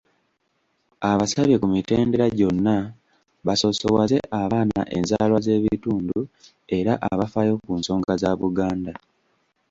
Abasabye ku mitendera gyonna basoosowaze abaana enzaalwa z'ebitundu era abafaayo ku nsonga za Buganda,